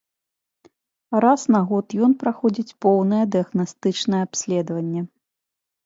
Раз на год ён праходзіць поўнае дыягнастычнае абследаванне.